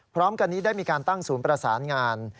พร้อมกันนี้ได้มีการตั้งศูนย์ประสานงาน